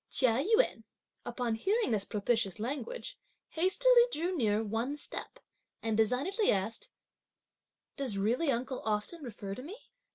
Chia Yün upon hearing this propitious language, hastily drew near one step, and designedly asked: "Does really uncle often refer to me?"